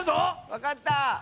わかった！